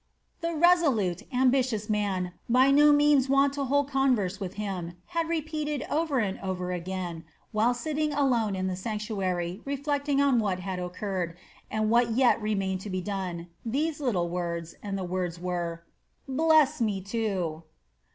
The resolute, ambitious man, by no means wont to hold converse with himself, had repeated over and over again, while sitting alone in the sanctuary reflecting on what had occurred and what yet remained to be done, these little words, and the words were: "Bless me too!"